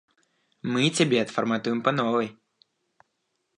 Мы цябе адфарматуем па новай.